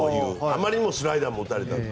あまりにもスライダー打たれたから。